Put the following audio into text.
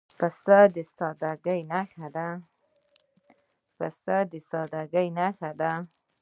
پسه د سادګۍ نښه ده.